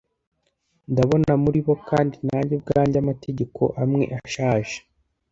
Ndabona muri bo kandi nanjye ubwanjye amategeko amwe ashaje.